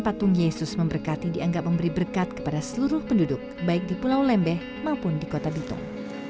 patung yesus memberkati dianggap memberi berkat kepada seluruh penduduk baik di pulau lembeh maupun di kota bitung